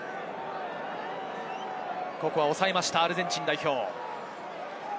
ここはおさえた、アルゼンチン代表。